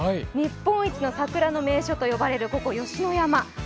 日本一の桜の名所と呼ばれるここ、吉野山。